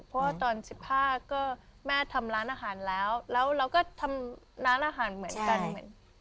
เพราะว่าตอน๑๕ก็แม่ทำร้านอาหารแล้วแล้วเราก็ทำร้านอาหารเหมือนกันเหมือน